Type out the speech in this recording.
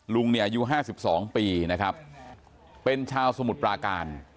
ลุงอายุ๕๒ปีนะครับเป็นชาวสมุดปลาการ